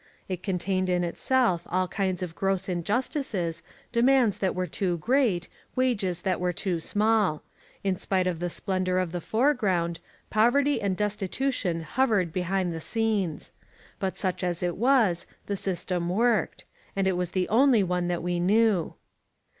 It contained in itself all kinds of gross injustices, demands that were too great, wages that were too small; in spite of the splendour of the foreground, poverty and destitution hovered behind the scenes. But such as it was, the system worked: and it was the only one that we knew.